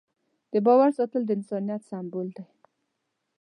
د باور ساتل د انسانیت سمبول دی.